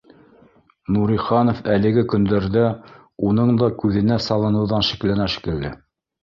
Нуриханов әлеге көндәрҙә уның да күҙенә салыныуҙан шикләнә шикелле